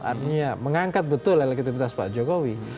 artinya mengangkat betul elektivitas pak jokowi